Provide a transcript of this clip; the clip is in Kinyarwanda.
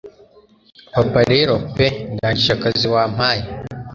Papa rero pe ndangije akazi wampaye